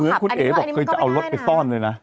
อันนี้มันก็ไม่ง่ายนะเพราะคุณเอ๋บอกเคยจะเอารถไปซ่อนเลยนะ